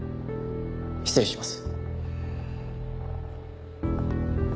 失礼します。